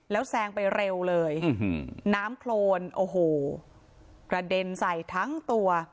แล้วแซงไปเร็วเลยน้ำโครนโอ้โหกระเด็นใส่ทั้งตัว